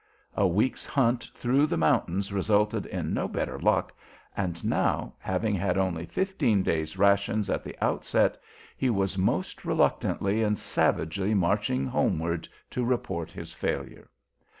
A week's hunt through the mountains resulted in no better luck, and now, having had only fifteen days' rations at the outset, he was most reluctantly and savagely marching homeward to report his failure.